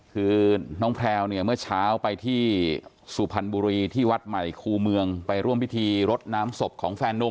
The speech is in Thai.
คือน้องแพลวเนี่ยเมื่อเช้าไปที่สุพรรณบุรีที่วัดใหม่คู่เมืองไปร่วมพิธีรดน้ำศพของแฟนนุ่ม